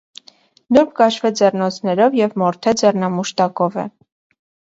Նուրբ կաշվե ձեռնոցներով և մորթե ձեռնամուշտակով է։